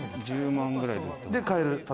１０万円くらいで買える。